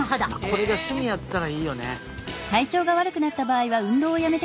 これが趣味やったらいいよね。